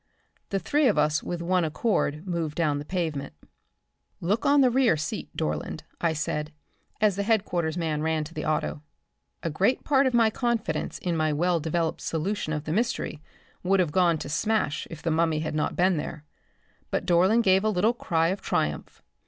The three of us with one accord moved down the pavement. "Look on the rear seat, Dorland," I said, as the headquarters man ran to the auto. A great part of my confidence in my well developed solution of the mystery would have gone to smash if the mummy had not been there. But Dorland gave a little cry of triumph.